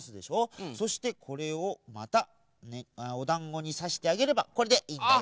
そしてこれをまたおだんごにさしてあげればこれでいいんだよ。